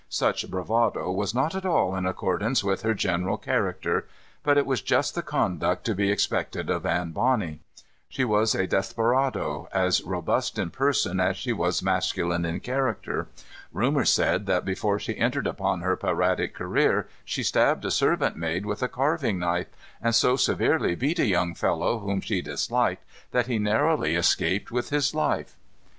Such bravado was not at all in accordance with her general character. But it was just the conduct to be expected of Anne Bonny. She was a desperado, as robust in person as she was masculine in character. Rumor said that before she entered upon her piratic career she stabbed a servant maid with a carving knife, and so severely beat a young fellow whom she disliked that he narrowly escaped with his life.